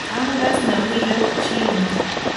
anqas nawiyuq chiina.